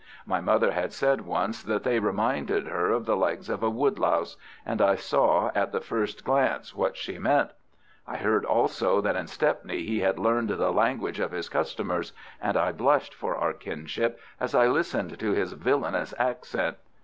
My mother had said once that they reminded her of the legs of a woodlouse, and I saw at the first glance what she meant. I heard also that in Stepney he had learned the language of his customers, and I blushed for our kinship as I listened to his villainous accent.